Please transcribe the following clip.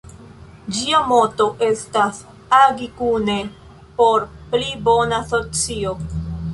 Ĝia moto estas "Agi kune por pli bona socio".